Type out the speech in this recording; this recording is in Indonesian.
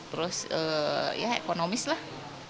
terus ya ekonomis lah